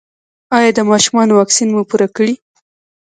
ایا د ماشومانو واکسین مو پوره کړی؟